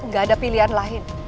gak ada pilihan lain